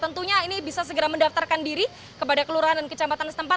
tentunya ini bisa segera mendaftarkan diri kepada kelurahan dan kecamatan setempat